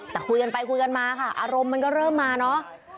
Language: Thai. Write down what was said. แต่คุยกันไปคุยกันมาค่ะอารมณ์มันก็เริ่มมาเนอะ